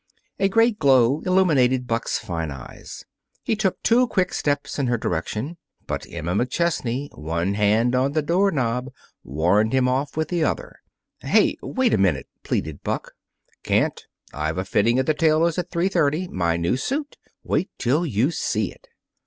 A great glow illumined Buck's fine eyes. He took two quick steps in her direction. But Emma McChesney, one hand on the door knob, warned him off with the other. "Hey wait a minute!" pleaded Buck. "Can't. I've a fitting at the tailor's at three thirty my new suit. Wait till you see it!"